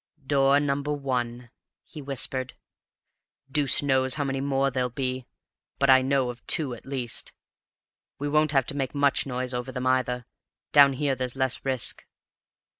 "Door number one," he whispered. "Deuce knows how many more there'll be, but I know of two at least. We won't have to make much noise over them, either; down here there's less risk."